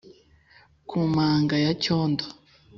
Ku manga ya Cyondo